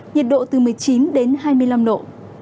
nhiệt độ từ một mươi chín đến hai mươi năm độ